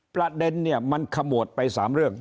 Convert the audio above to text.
ประเด็นเนี่ยมันขมวดไป๓เรื่อง